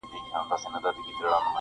له سر تر نوکه بس ګلدسته یې -